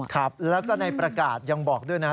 ครับแล้วก็ในประกาศยังบอกด้วยนะ